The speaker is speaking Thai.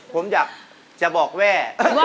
ผมอยากจะบอกแม่